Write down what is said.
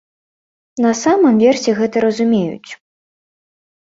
На самым версе гэта разумеюць.